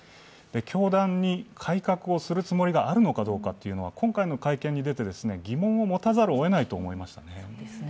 教団に改革をするつもりがあるのかどうかというのは今回の会見に出て、疑問を持たざるをえないと思いますね。